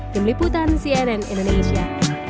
tim liputan cnn indonesia